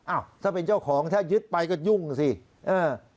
อ้าวถ้าเป็นเจ้าของถ้ายึดไปก็ยุ่งสิเออ